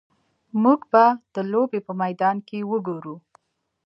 موږ به د لوبې په میدان کې وګورو